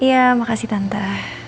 iya makasih tante